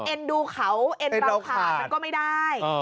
ดูเขาเอ็นเราขาดมันก็ไม่ได้